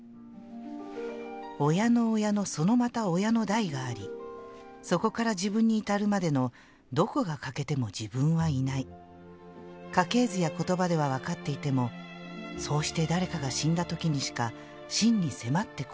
「親の親のそのまた親の代があり、そこから自分に至るまでのどこが欠けても自分はいない家系図や言葉ではわかっていても、そうして誰かが死んだ時にしか真に迫ってこない。